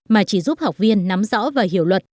mà chỉ giúp học viên nắm rõ và hiểu luật